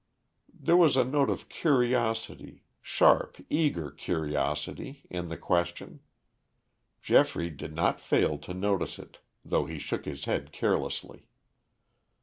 There was a note of curiosity, sharp, eager curiosity, in the question. Geoffrey did not fail to notice it, though he shook his head carelessly.